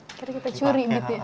akhirnya kita curi beatnya